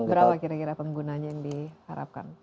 berapa kira kira penggunanya yang diharapkan